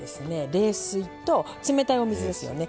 冷水と冷たいお水ですよね。